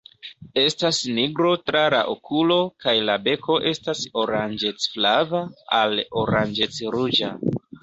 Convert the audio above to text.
Estas nigro tra la okulo kaj la beko estas oranĝec-flava al oranĝec-ruĝa.